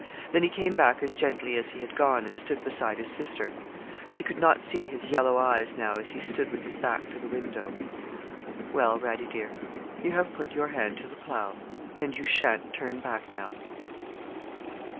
Then he came back as gently as he had gone, and stood beside his sister; she could not see his yellow eyes now as he stood with his back to the window. 'Well, Radie, dear you have put your hand to the plough, and you sha'n't turn back now.'